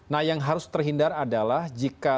nah yang harus terhindar adalah jika